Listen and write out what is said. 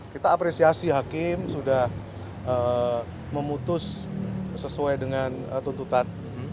kita apresiasi hakim sudah memutus sesuai dengan tuntutan